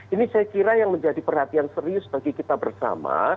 ini saya kira yang menjadi perhatian serius bagi kita bersama